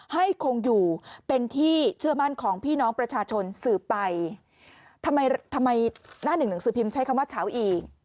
ให้คงอยู่เป็นที่เชื่อมั่นของพี่น้องประชาชนสืบไปทำไมทำไมหน้าหนึ่งหนังสือพิมพ์ใช้คำว่าเฉาอีก